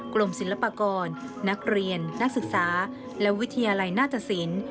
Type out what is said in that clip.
กรมศิลปากรนักเรียนนักศึกษาและวิทยาลัยหน้าตสิน